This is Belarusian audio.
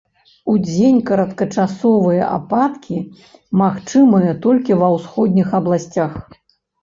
Удзень кароткачасовыя ападкі магчымыя толькі ва ўсходніх абласцях.